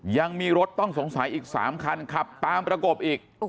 ยังมีรถต้องสงสัยอีก๓คันขับตามประกบอีก